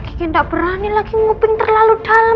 kiki gak berani lagi nguping terlalu dalam